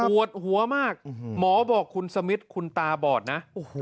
ปวดหัวมากหมอบอกคุณสมิทคุณตาบอดนะ